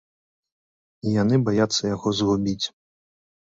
І яны баяцца яго згубіць.